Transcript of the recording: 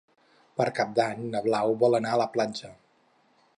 Per Cap d'Any na Blau vol anar a la platja.